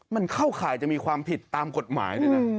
มันเข้าข่ายจะมีความผิดตามกฎหมายด้วยนะ